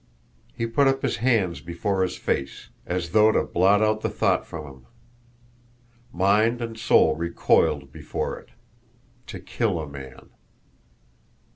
He put up his hands before his face, as though to blot out the thought from him. Mind and soul recoiled before it to kill a man!